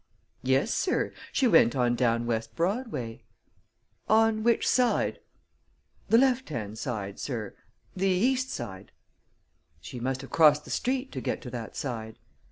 "Yes, sir; she went on down West Broadway." "On which side?" "Th' left hand side, sir; th' east side." "She must have crossed the street to get to that side."